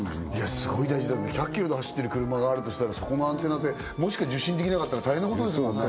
すごい大事だと思う１００キロで走ってる車があるとしたらそこのアンテナで受信できなかったら大変なことですもんね